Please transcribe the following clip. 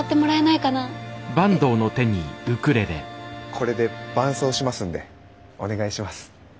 これで伴奏しますんでお願いします。